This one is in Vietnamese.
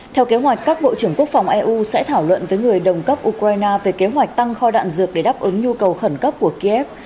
theo kế hoạch các bộ trưởng quốc phòng eu sẽ thảo luận với người đồng cấp ukraine về kế hoạch tăng kho đạn dược để đáp ứng nhu cầu khẩn cấp của kiev